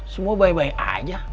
semua baik baik aja